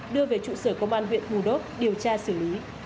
đưa về trụ sở công an huyện bù đốp điều tra xử lý